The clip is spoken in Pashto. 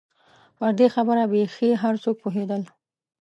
پر دې خبره بېخي هر څوک پوهېدل.